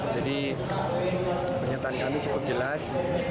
jadi pernyataan kami cukup jelas